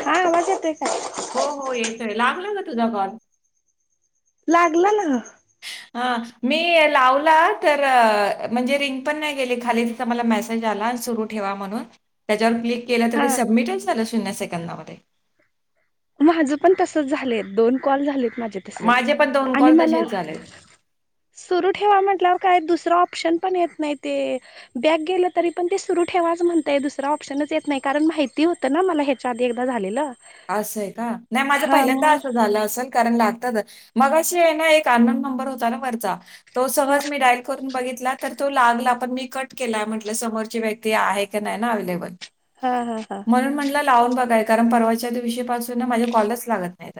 हा आवाज येतोय काय हो हो येतोय लागला ग तुला कॉल लागला ना हा मी लावला तर म्हणजे रिंग पण नाही गेली खाली तिथ मला मेसेज आला सुरू ठेवा म्हणून त्याच्यावर क्लिक केलं तर ते हा सबमिटच झालं शून्य सेकंदामध्ये माझं पण तसच झाले दोन कॉल झाले माझ तस माझे पण आणि कॉल मला तसेच झाले. सुर ठेवा म्हटल्यावर काय दुसरा ऑप्शन पण येत नाही ते बॅक गेलं तरी पण ते सुरू ठेवाच म्हणतय दुसरा ऑप्शनच येत नाही कारण माहिती होतं ना मला ह्याच्या आधी एकदा झालेलं असय नाही माझं हा पहिल्यांदा मग असं झालं असेल कारण मगशी आहे ना एक अन्नोन नंबर होता ना वरचा तो हा सहज मी डाईल करून बघितला तर तो लागला पण मी कट केला म्हटल समोरची व्यक्ती आहे की नाही ना अवेलेबल हा हा हा म्हणून म्हटलं लावून बघायचं कारण परवा च्या दिवशीपासून माझं कॉलच लागत नाही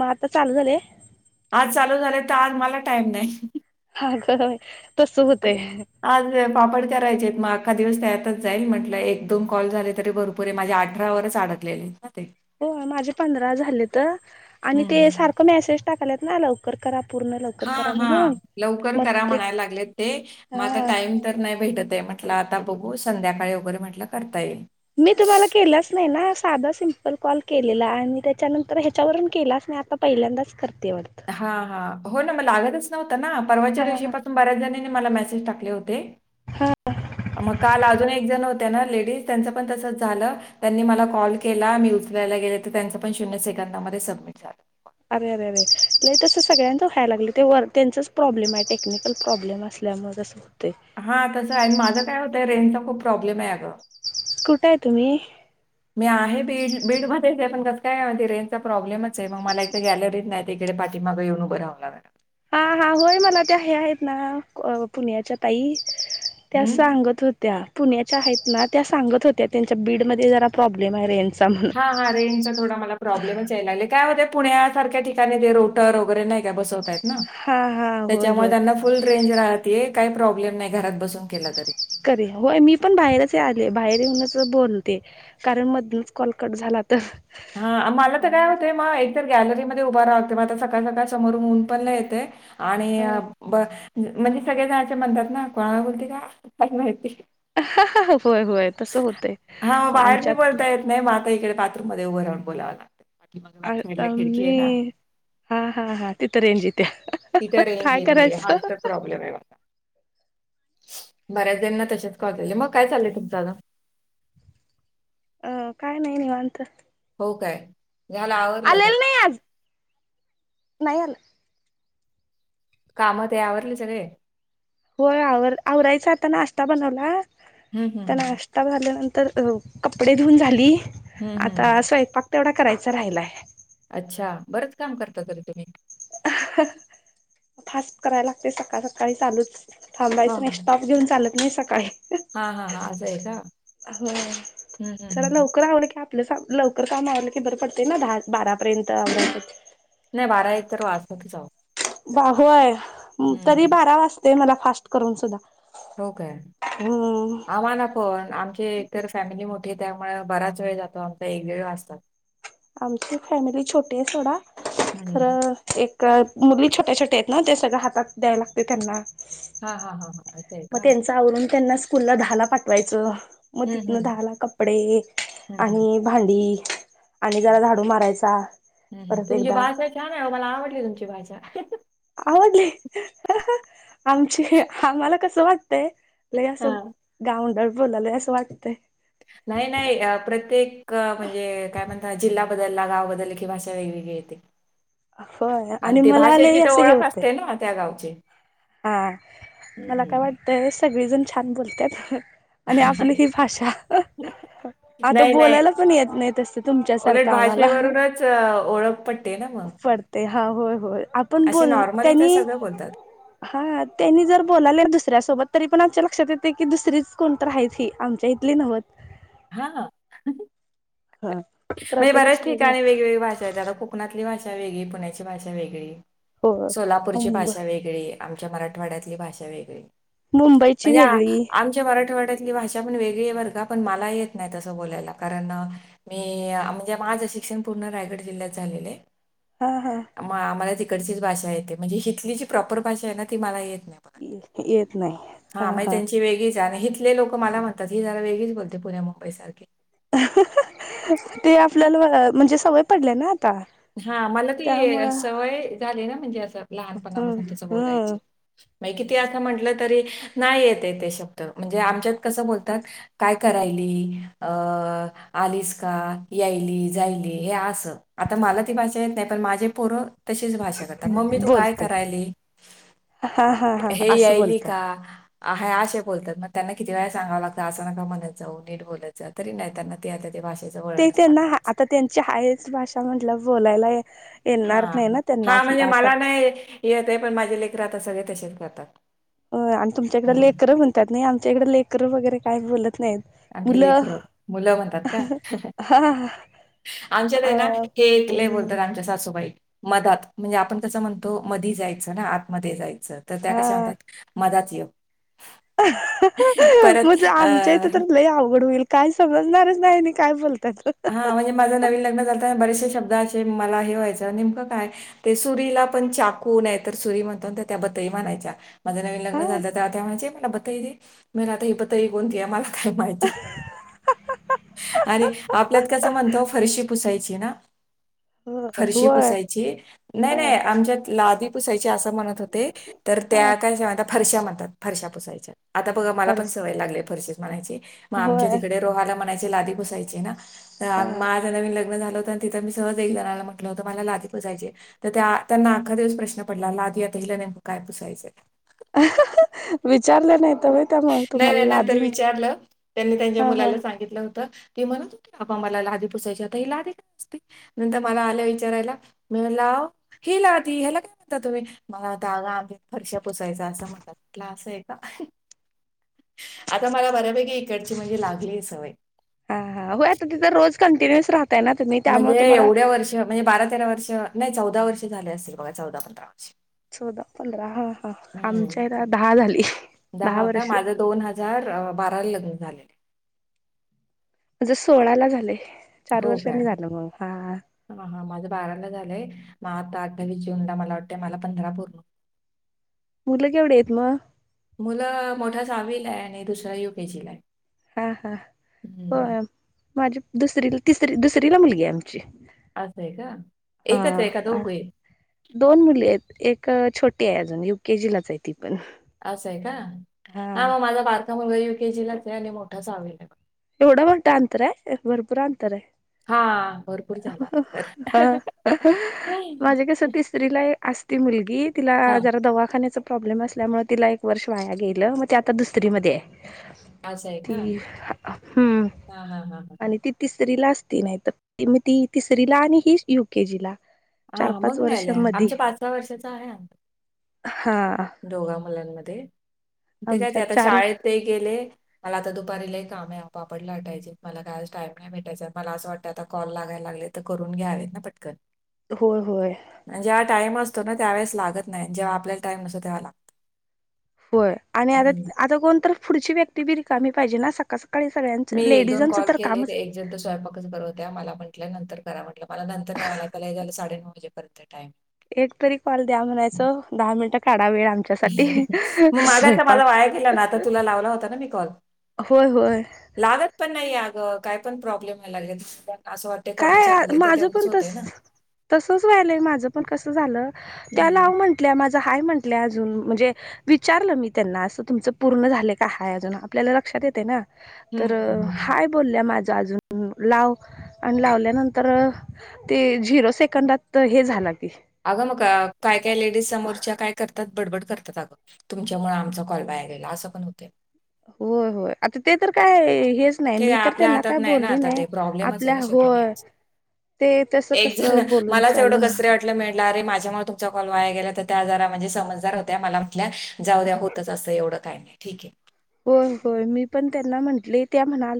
मग आता चालू झालेय आज चालू झाले तर आज मला टाईम नाही अगं बाई तसं होतय आज पापड करायचे मग अखा दिवस त्यातच जाईल म्हटलं एक दोन कॉल झाले तरी भरपूर आहे माझे अठरा ववरच अडकले हो माझे पंधरा झालेत आणि हं. ते सारखं मेसेज टाकायलेत ना लवकर करा पूर्ण लवकर हा करा हा म्हणून लवकर मग करा ते म्हणायला लागलेत ते मग आता हा टाइम तर नाही भेटत आहे म्हटलं आता बघू संध्याकाळी वगैरे म्हटलं करता येईल मी तुम्हाला केलाच नाही ना साधा सिम्पल कॉल केलेला आणि त्याच्यानंतर ह्याच्यावरून केलाच नाही आता पहिल्यांदाच करते वाटतं हा हा हो ना मला लागतच ना हा परवाच्या रेषे पाासून बऱ्याच आणि मला मेसेज टाकले होते हा मग काल अजूनही होत ना लेज त्यां पण तच झालं त्यांनी म कॉल केला मी उचयला गेले तर त्यां पण शून्य सेकंदा सबमट झालं अरे अरे अरे लई तसं सगळ्यांच व्हायला लागलं ते वर त्यांचच प्रॉब्लेम आहे टेक्निकल प्रॉब्लेम असल्या मगसं हा तसं आहे माझं काय होतंय रेंच खूप प्रॉब्लेम आहे अगं कुठे आहे तुम्ही मी आहे बीड बीड मध्येच आहे पण कसं कायण रेनचा प्रॉब्लेमच आहे मग मला एक गॅलरीत नाही तिकडे पाठीमागे येऊन उभं रावला मॅडम हा हा होय मला ते हे आहेत ना पुण्याच्या ताई त्या हं. सांगत होत्या पुण्याच्या आहेत ना त्या सांगत होत्या त्यांच्या बीडमध्येध्ये जरा प्रॉब्लेम आहे रेंज हा हा रें थोडा मला प्रॉब्लेमच याय लाग काय होते पुण्यासारख्या ठिकाणी ते रोटर वगैरे नाही काय बसवतयत हा हा होय त्याच्यामुळे होय त्यांना फुल रेंज राहत ते काही प्रॉब्लेम नाही घरात बसून केला तरी कररे हो मी पण बाहेरच आले बाहेर येऊनच बोलते कारण मधूनच कॉलकट झाला तर हा मला तर काय आणि होतंय मग गॅलरीमध्ये उभ राह मग आता सकाळ सकाळ समोर ऊन पण नाही येते आणि ब म्हणजे सगळे्या जणाचे म्हणतात ना कोणाला बोलते काही माहिती ह ह होय होय तसं होतंय आमच्यात मध्ये उभ राहून बोला आता मी हा हा हा तिथं रेंज येतीये तिथं रेंज काय येते. करायच हाच तर प्रॉब्लेम आहे माझा. बऱ्याच देणना तशच कॉल केले मग काय चाललंय तुम दादा अ काय नाही निवांत हो काय झाला आवरवरलं का आलेलं नाही आज नाही अल कामात आवरले सगळे होय आवर आवरायचा आता नाश्ता बनवला हं, हं, आता हं. नाश्ता झाल्यानंतर तर कपडे धुऊन झाली हं, हं, आता हं. असो एक पा तेवढा करायच राहिलाय अच्छा बरंच काम करता तरी तुम्ही फास्ट करायला लागते सकाळ सकाळी चालूच थांबायच नाही स्टॉप देऊन चाल आणि सकाळी हा हा हा आजय का हम्म हम् हम्म् आप लवकर काम आवला की बरं पडते ना दहा बारापर्यंत अमरात नाही बारा एक तर वाजतात हो जाव बाह आहे तरी बारा वाजता ते मला फास्ट करून सुद्धा हो काय हम्म. आम्हाला पण आमचे एकतर फॅमिली मोठीे त्यामुळे बराच वेळ जातो आमचा एक वगळ असतात आमची फॅमिली छोटी आहे सोडा हं. खर एक मुली छोट्या छोट्या आहेत ना ते सगळ हातात द्यायला लागते त्यांना हा हा हा हा असं आहे मग का त्यांच आवरून त्यांना स्कूल ला दहा ला पाठवायचं मग हम्म तिथन हम्म दहाला कपडे हम्म हम्म आणि भांडी आणि जरा झाडू मारायचा परत तुमची एकदा भाषा छान आहे मला आवडली तुमची भाषा [inaudible] आवडली आमची आम्हाला कस वाटतय लय अस हा गाउंडर बोलालंय असं वाटतंय नाही नाही प्रत्येक म्हणजे काय म्हणता जिल्हा बदलला गाव बदल क ही भाषा वेगवेगळी येते. होय आणि ते मला आलेही भाषेची तर असं हे ओळख होतय. असते ना त्या गावची हा मला काय हम्म. वाटतय सगळीजण छान बोलतात. आणि आपली ही भाषा आता नाही नाही बोलायला पण येत नाहीेत असत उलट तुमच्यासारखं आम्हाला भाषेवरूनच अ, ओळख पटते ना मग पडते हा होय होय. आपण असे बोल नॉर्मली तर त्यांनी सगळं बोलतात हा त्यांनी जर बोलाले दुसऱ्यासोबत तरी पण आमच्या लक्षात येते की दुसरीच कोणत आहेत ही आमच्या इथली नव्ह हा ह. हा म्हणजे बऱ्याच प्रत्येकाची वेगळी ठिकाणी वेगवेगळी भाषा आहेत आता कोकणातली भाषा भाषा वेगळी पुण्याची भाषा वेगळी. हो. सोलापूरची भाषा वेगळी आमच्या मराठवाड्यातली भाषा वेगळी मुंबईची म्हणजे वेगळी आमच्या मराठवाड्यात भाषा पण वेगळी आहे बर का, पण मला येत नाही, तसं बोलायला कारण मी म्हणजे माझं शिक्षण पूर्ण रायगड जिल्ह्यात झालेलं आहे. हा हा आ म आनाला दी ड भाष येते म्हणजे हथली जी प्रॉपर भाषा आहे ना ती मला येत नाही बघा. येत नाही हा हा. हिथले लोक मला म्हणतात ही जरा वेगळीच बोलते पुण्या मुंबई सारखी [unintelligible] ते आपल्याला म्हणेस [unintelligible] सवय पडल्याना त. हा मला ती सवय झाली ना, म्हणजे असं हम्म लहानपणापासून तुसं बोलायच. हम्म म किती असं म्हटलं तरी नाही येते ते शब्द म्हणजे आमच्यात कस बोलतात काय करा अ आलीस का याय जायली हे अस. आता मला ती भाय येत नाही पण माझे पोर तशीच भाषा करता मम्मी तू काय बोलतात करायली हा हा हा हे असं यायली बोलतात का आहे असशे बोलतात, मग त्यांना किती वेळा सांगावं लागतं, असं ना का म्हणायचं नीट बोलायचं, तरी नाही त्यांना ते ते भाषेचं ते वळणच त्यांना लागतं. आता त्यांची हायच भाषा. च म्हणला बवलायलाय [unintelligible] हा हा म्हणजे मला नाही य येत आहे, पण माझे लेकर आता सगळे तसेच करत. अ आणि तुमच्या इकडं लेकर म्हणतात ना, आमच्या इकडे लेकर वगैरे. काय बोल. आमख लेकर मुलं म्हणतात का, हा आमच्यात अ आहे ना हे एकले मुली बोलतात आमच्या सासूबाई. मधात म्हणजे आपण कसं म्हणतो मधी जायचं ना आतमध्येध्ये जायचं. त्या कात म [unintelligible] म परत ज अ, आमच्या इ ते तरर ल आऊ. होईल काय समजणारच नाही काय बोलत. हा म्हणजे माझं नवीन लग्न झाता बरेच. शब्द असे मला हे व्हायच नेमकं काय ते सुरीला पण चाकूून तर सुरी म्हणतो त्याबदरी म्हणायच्या. माझ नवीन हा लग्न झालं तर आ म्ह म. [unintelligible] मी आता इ बतई कोणती आ मला काय माहिती अरे आपल्यात कसं म्हणतो फरशी पुसायचं ना हो फरशी होय पुसायची नाही हा नाही आमच्यात लादी पय हो हा त्याय फरशा म्हणतात फरशा पुसायच्यात आता बघा मला पण हर्ष सवय लागलीय फरसे मलायचे मग आमच्या होय तिकडे रोहाला लादी बसायचे तर हा माझ नवीन लग्न झालं तिथं मी सहजला म्हटलं होतं मला लादी पुसाय तर त्यांना आखा दिवस प्रश्न पडला लादी आता हि नेकं काय पुसायचं विचारलं नाही तम नाही नाही नंतर विचारलं त्यांनी त्यांच्या हा हा मुलाला सांगितलं होत ती म्हणत होती आपपा मला लादी पुोसायची आता ही लादी काय असते नंतर मला आल्या विचारायला मी लाव ही लादी ह्याला काय म्हणता तुम्ही मला होता अगा आम फरशा पुोसायचा असं म्ह वाटला असं आहे का आता मला बऱ्यापैकी इकडची म्हणजे लागली ह सवय हा हा हो आता तिथ रोज कंटिन्युअस राहत म्हणजे एवढ्या वर्ष, म्हणजे बारा तेरा वर्ष. नाही चौदा वर्ष झाले असतील, बघा चौदा पंधरा. वर्ष चौदा पंधरा हा हा हम्म आमच्याला दहा झाली. दहा का माझं दोन हजार बाराला लग्न झाले. माज सोळा ला झालेय. हो का हा हा माझ बाराला झालंय. मग आता अट्टावीस जून ला मला वाटते मला पंधरा पूर्ण. मुलं केवढी आहेत मग मुलं मोठा सावील आहे. आणि दुसरा युकेजी ला आहे. हा हा हो हम्म. म माझी दुसरी तरी दुसरीला मुलगी आहे असं आहे का एकच आम आहे का हा दोघे दोन मुली आहेत एक एक छोटी आहे अजून युकेजीलाच आहे ती. पण असं आहे का हा मग माझा बरका मुलगा यु के जी लाच आणि मोठा सहावी ला एवढा मोठं आणंतर हाय भरपूर अंतर हा भरपूर झाला तर हाय. माझे कस तिसरी ला अस ति मुलगीत तिला हा जरा दवाखान्याच. प्रॉब्लेम असल्यामुळे तिला एक वर्ष वाया गेलं, मग ते आता दुसरी मध्ये आहे. असं आहे का. ती हम्म हा हा हा हा तिरीला असती नाही तर ती तिसरीला आणि ही युकेजीला हा मग नाही लई आमच पाचव्या वर्षाचा आहे अंतर हा दोघा मुलांमध्ये. ते काय ते आमच्यात आता चार शाळेत गेले. मला आता दुपारी लई काम आहे पापड लाटायचं मला काय टाईम नाही भेटायचा मला असं वाटतं आता कॉल लागायला लागले तर करून घ्यावेत ना पटकन. होय होय. जेव्हा टाइम असतो ना त्यावेळेस लागत नाही जेव्हा आपल्याला टाईम नसतो तेव्हा लागतो. होय आणि आता हम्म. आता कोणतर पुढची व्यक्ती बी रिकामी पाहिजे ना सकाळ सकाळ मी एक दोन कॉल केले ते एकजण तर स्वयंपाकच बनवत्या मला म्हटल्यानंतर करा म्हटल मला नंतर लई झालं साडे नऊ वाजेपर्यंत टाईम एक तरी कॉल द्या म्हणायचं दहा मिनिटात. मग मागाचा माझा वाया गेला ना आता तुला लावला होता ना मी कॉल होय होय लागत पण नाही काय पण प्रॉब्लेम लागेल काय माझ पण तसच व्हायलय माझ पण कसं झालं हम्म. त्याला म्हटलं मा आहे म्हट अजून म्हणजे विचारलं मी त्यांना असं तुमच पूर्ण झाले का हय अजून आपल्याला लक्षात येते ना हम्म तर हम्म हम्म. हाय बोलल्या माझ्या जून लाव आणि लावल्यानंतर ते झिरो सेकंडात हे झालं की अग म का काय काय लेडीज समोरच्या काय करतात बडबड करतात अगं तुमच्यामुळे आमचा कॉल बाहेर गेला असं पण होते होय होय आता ते तर काय हेच नाही ठीक मी आहे तर आपल्या त्यांना हातात काय नाही ना बोलली आता ते प्रॉब्लेमच आहे आपल्या ना शेवटी होय ते तसं एकजण कसं बोलून मलाच चाल एवढं कसर वाटलं अरे माझ्यामुळे तुमचा कॉल वाया गेला त्या आजार म्हणजे समजदार होत्या मला म्हटल्या जाऊ द्या होतच असं एवढं काही नाही ठीक आहे होय होय मी पण त्यांना म्हंटले त्या म्हणाल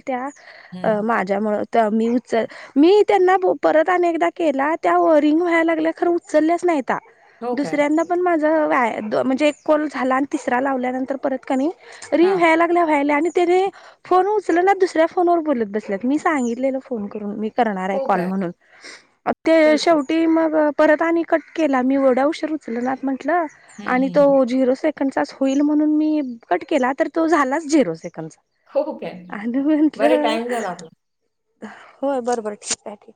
हं. त्या माझ्यामुळे तर मी उचल मी त्यांना परत अनेकदा केला त्या व रिंग व्हायला लागल्या खरं उचलल्याच नाहीत नव्हत्या हो काय? दुसऱ्यांदा पण व्याया म्हणजे एक कॉल झाला आणि तिसरा लावल्यानंतर परत कणी रिंग हां. व्याय लागल्या व्हायला आणि तेनी फोन उचल ना दुसऱ्या फोनवर बोलत बसल्या मी सांगितले करून करणार आहे हो कॉल काय? म्हणून ते तेच तर. शेवटी मग परत आणि कट केला मी एवढं उशर उचल ना मग म्हटलं हं, हं, हं. कंचास होईल म्हणून मी कट केलात तर तो झालाच झिरो सेट लकांचा हो काय? आणि बरं म्हंटलं टाईम झाला आपला. होय बरोबर ठीक आहे ठीक आहे